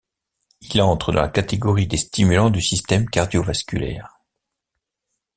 Il entre dans la catégorie des stimulants du système cardio-vasculaire.